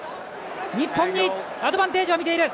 日本にアドバンテージを見ている。